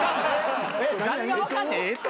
誰が分かんねん干支。